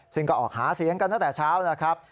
ซึ่งก็ออกหาเสียงกันตั้งแต่เช้าแล้วครับ